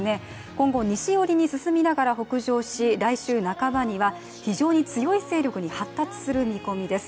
今後、西寄りに進みながら北上し来週半ばには非常に強い勢力に発達する見込みです。